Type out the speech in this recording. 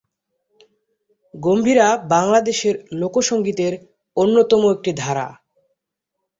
গম্ভীরা বাংলাদেশের লোকসঙ্গীতের অন্যতম একটি ধারা।